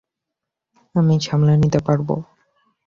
আমি সামলে নিতে পারবো।